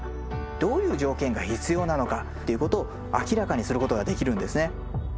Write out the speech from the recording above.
どういう条件が必要なのかっていうことを明らかにすることができるんですね。